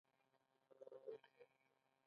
د ماخستن لمونځونه مو په جمع سره وکړل.